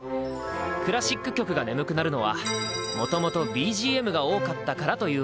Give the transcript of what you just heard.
クラシック曲が眠くなるのはもともとＢＧＭが多かったからというわけ。